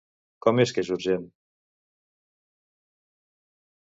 Com és que és urgent?